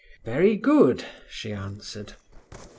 "Very good," she answered.